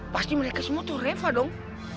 pasti mereka semua tuh reva dong